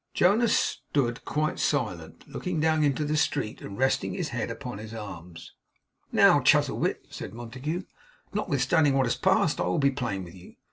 Jonas stood quite silent; still looking down into the street, and resting his head upon his arms. 'Now, Chuzzlewit,' said Montague, 'notwithstanding what has passed I will be plain with you.